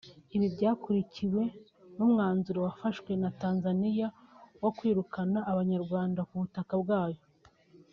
Ibi byakurikiwe n’umwanzuro wafashwe na Tanzania wo kwirukana Abanyarwanda ku butaka bwayo